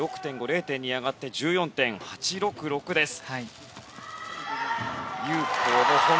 ６．５、０．２上がって１４．８６６です。